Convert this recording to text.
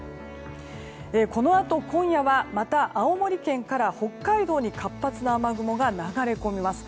このあと今夜はまた青森県から北海道に活発な雨雲が流れ込みます。